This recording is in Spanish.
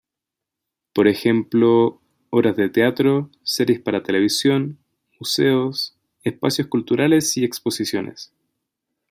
Por ejemplo: obras de teatro, series para televisión, museos, espacios culturales y exposiciones.